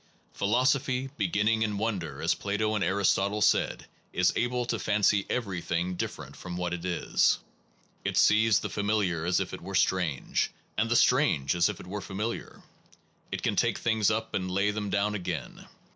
Philosophy, beginning in wonder, as Plato and Aristotle said, is able to fancy everything different from what it is. It sees the familiar as if it were strange, and the strange as if it were familiar. It can take things up and lay them down again.